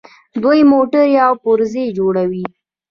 دوی موټرې او پرزې جوړوي.